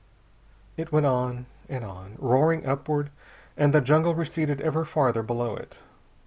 It went on and on, roaring upward, and the jungle receded ever farther below it.